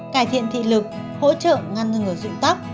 cải thiện thị lực hỗ trợ ngăn ngừa dụng tóc